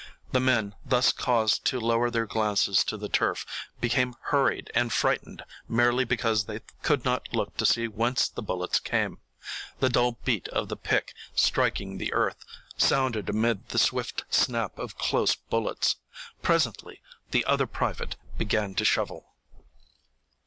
The men, thus caused to lower their glances to the turf, became hurried and frightened merely because they could not look to see whence the bullets came. The dull beat of the pick striking the earth sounded amid the swift snap of close bullets. Presently the other private began to shovel.